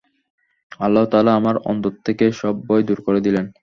আল্লাহ তাআলা আমার অন্তর থেকে সব ভয় দূর করে দিলেন।